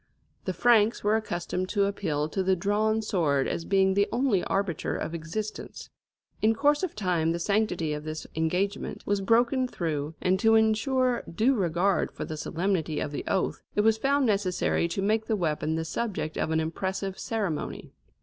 The Franks were accustomed to appeal to the drawn sword as being the only arbiter of existence. In course of time the sanctity of this engagement was broken through, and to ensure due regard for the solemnity of the oath, it was found necessary to make the weapon the subject of an impressive ceremony.